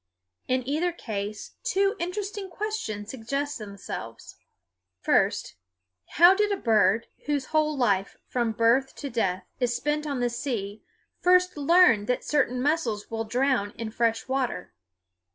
In either case two interesting questions suggest themselves: first, How did a bird whose whole life from birth to death is spent on the sea first learn that certain mussels will drown in fresh water?